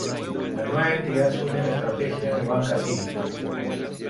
La nueva entidad asume la estrategia de Banca Cívica.